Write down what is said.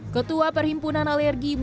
ketua perhimpunan alergi munololo